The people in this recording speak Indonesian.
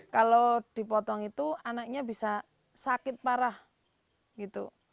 kalau dipotong itu anaknya bisa sakit parah gitu